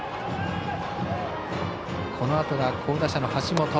このあとが好打者の橋本。